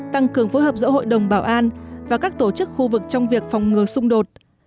tăng cường phối hợp giữa hội đồng bảo an và các tổ chức khu vực trong việc phòng ngừa xung đột